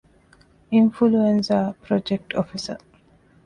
އިންފުލުއެންޒާ ޕްރޮޖެކްޓް އޮފިސަރ